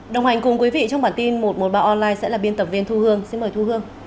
đồng hành cùng quý vị trong bản tin một trăm một mươi ba online sẽ là biên tập viên thu hương xin mời thu hương